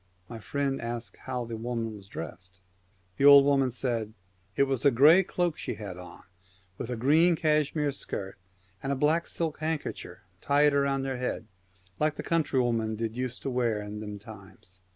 ' My friend asked how the woman was dressed, and the old woman said, ' It was a gray cloak she had on, with a green cashmere skirt and a black silk hand kercher tied round her head, like the country women did use to wear in them times.'